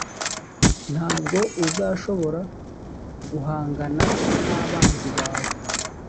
nta bwo uzashobora guhangana n’abanzi bawe.